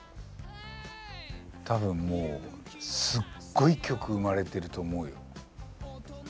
多分もうすっごい曲生まれてると思うよ。